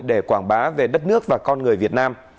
để quảng bá về đất nước và con người việt nam